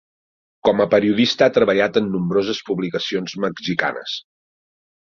Com a periodista ha treballat en nombroses publicacions mexicanes.